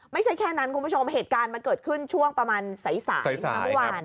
ไม่ใช่แค่นั้นคุณผู้ชมเหตุการณ์มันเกิดขึ้นช่วงประมาณสายเมื่อวาน